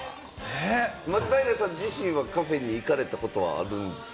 松平さん自身はカフェに行かれたことはあるんですか？